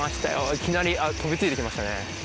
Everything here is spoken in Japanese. いきなり飛びついてきましたね